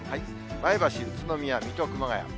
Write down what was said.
前橋、宇都宮、水戸、熊谷。